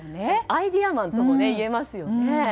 アイデアマンともいえますよね。